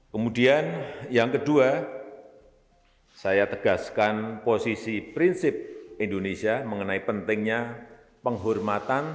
kemudian yang kedua saya tegaskan posisi prinsip indonesia mengenai pentingnya penghormatan